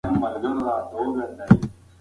آیا ته پوهېږې چې ببۍ چېرته ده؟